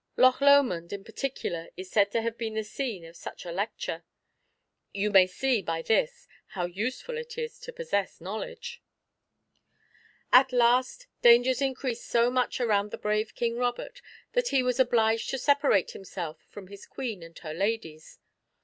Loch Lomond, in particular, is said to have been the scene of such a lecture. You may see by this, how useful it is to possess knowledge. At last dangers increased so much around the brave King Robert, that he was obliged to separate himself from his Queen and her ladies.